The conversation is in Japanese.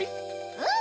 うん！